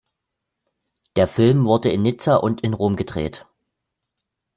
Der Film wurde in Nizza und in Rom gedreht.